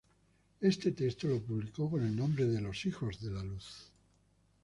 Este texto se publicó con el nombre de "Los hijos de La luz.